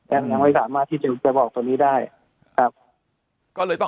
อย่างไว้สามารถที่จะบอกตรงนี้ได้ครับ